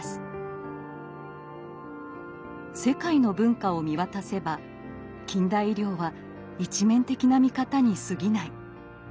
世界の文化を見渡せば近代医療は一面的な見方にすぎない。